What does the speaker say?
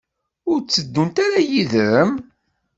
Ur tteddunt ara yid-m?